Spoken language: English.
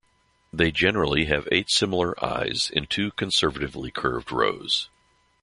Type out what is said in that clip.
They generally have eight similar eyes in two conservatively curved rows.